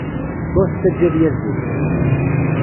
Ur t-ttajja ad yazzel.